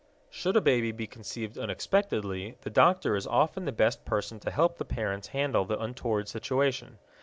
Should a baby be conceived unexpectedly, the doctor is often the best person to help the parents handle the untoward situation.